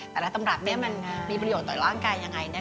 แต่ละตำรับมันมีประโยชน์ต่อร่างกายยังไง